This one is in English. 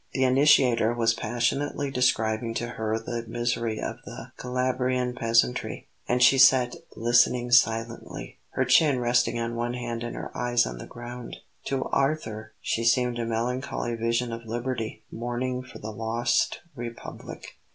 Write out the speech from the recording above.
The initiator was passionately describing to her the misery of the Calabrian peasantry; and she sat listening silently, her chin resting on one hand and her eyes on the ground. To Arthur she seemed a melancholy vision of Liberty mourning for the lost Republic.